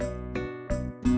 saya ini jut india